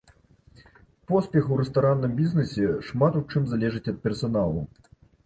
Поспех у рэстаранным бізнесе шмат у чым залежыць ад персаналу.